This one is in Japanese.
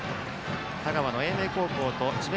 香川の英明高校と智弁